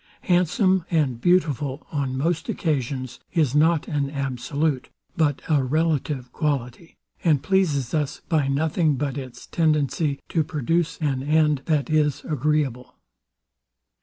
Handsome and beautiful, on most occasions, is nor an absolute but a relative quality, and pleases us by nothing but its tendency to produce an end that is agreeable.